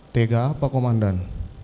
tega apa komandan